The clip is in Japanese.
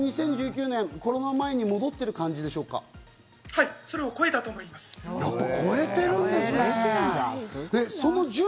完全に２０１９年、コロナ前に戻ってる感じでしょうか？